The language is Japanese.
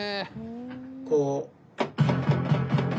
こう。